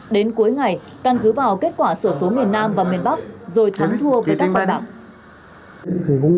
đến cuối ngày căn cứ vào kết quả sổ số miền nam và miền bắc rồi thắng thua với các con bạc